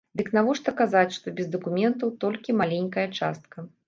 Дык навошта казаць, што без дакументаў толькі маленькая частка?